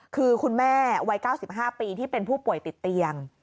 คือคุณแม่วัย๙๕ปีที่เป็นผู้ป่วยติดเตียง